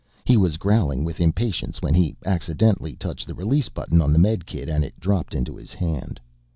He was growling with impatience when he accidentally touched the release button on the medikit and it dropped into his hand.